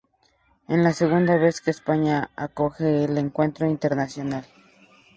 Es la segunda vez que España acoge el encuentro internacional.